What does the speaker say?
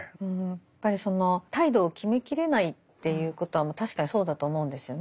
やっぱりその態度を決めきれないっていうことは確かにそうだと思うんですよね。